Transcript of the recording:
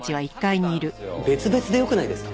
別々でよくないですか？